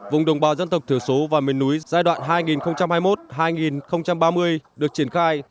vùng đồng bào dân tộc thiểu số và miền núi giai đoạn hai nghìn hai mươi một hai nghìn ba mươi được triển khai